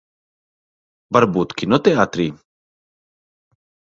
Varbūt kinoteātrī?